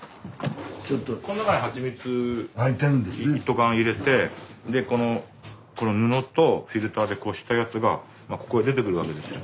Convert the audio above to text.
この中にハチミツ一斗缶入れてこの布とフィルターでこしたやつがここへ出てくるわけです。